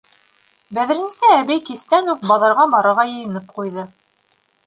Бәҙерниса әбей кистән үк баҙарға барырға йыйынып ҡуйҙы.